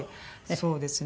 そうですね。